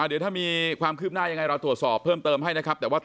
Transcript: เดี๋ยวถ้ามีความคืบหน้ายังไงเราตรวจสอบเพิ่มเติมให้นะครับ